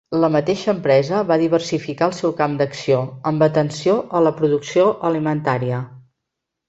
La mateixa empresa va diversificar el seu camp d'acció, amb atenció a la producció alimentària.